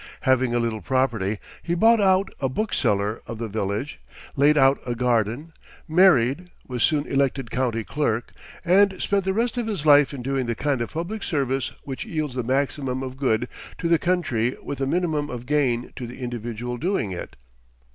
Having a little property, he bought out a bookseller of the village, laid out a garden, married, was soon elected county clerk, and spent the rest of his life in doing the kind of public service which yields the maximum of good to the country with the minimum of gain to the individual doing it.